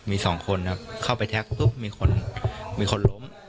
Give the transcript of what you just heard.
มี๒คนเข้าไปแท็กปุ๊บมีคนล้ม